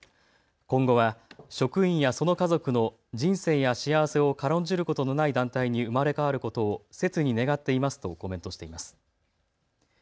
今後は職員やその家族の人生や幸せを軽んじることのない団体に生まれ変わることをせつに願っていますとコメントしています。